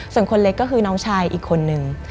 ส่วนคนเล็กก็คือน้องชายอีกคนนึง